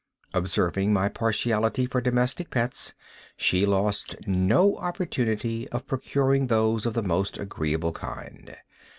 Observing my partiality for domestic pets, she lost no opportunity of procuring those of the most agreeable kind.